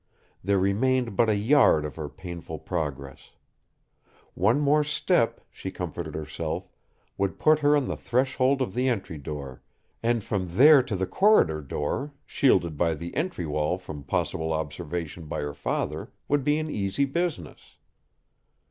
There remained but a yard of her painful progress. One more step, she comforted herself, would put her on the threshold of the entry door, and from there to the corridor door, shielded by the entry wall from possible observation by her father, would be an easy business.